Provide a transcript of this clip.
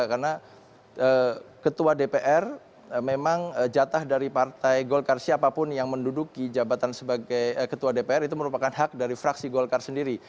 karena ketua dpr memang jatah dari partai golkar siapapun yang menduduki jabatan sebagai ketua dpr itu merupakan hak dari fraksi golkar sendiri